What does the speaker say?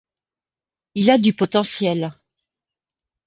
Il a du potentiel.